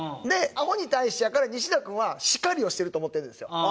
アホに対してやから西田君は叱りをしてると思ってるんですよ。